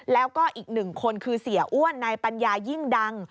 แล้วก็อีก๑คนคือเสียอ้วนในปัญญายิ่งดัง